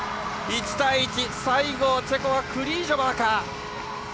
１対１、最後はチェコのクリージョバーか。